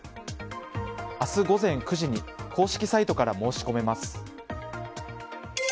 明日午前９時に公式サイトから申し込めます。